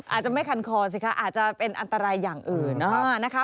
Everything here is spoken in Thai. อาจจะไม่คันคอสิคะอาจจะเป็นอันตรายอย่างอื่นนะคะ